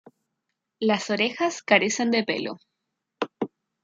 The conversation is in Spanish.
Las orejas carecen de pelo.